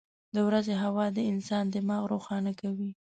• د ورځې هوا د انسان دماغ روښانه کوي.